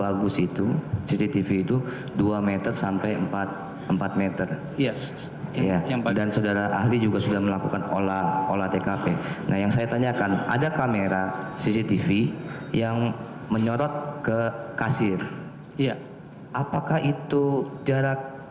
apakah itu jarak kamera dengan kasir